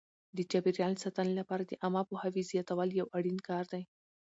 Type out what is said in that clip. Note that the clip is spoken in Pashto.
د چاپیریال ساتنې لپاره د عامه پوهاوي زیاتول یو اړین کار دی.